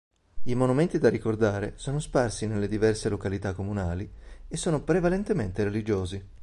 I monumenti da ricordare sono sparsi nelle diverse località comunali e sono prevalentemente religiosi.